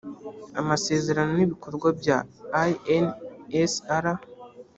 amasezerano n ibikorwa bya insr